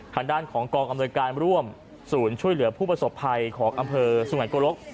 ทางด้านของกองอำนวยการร่วมศูนย์ช่วยเหลือผู้ประสบภัยของอำเภอสุงันโกรก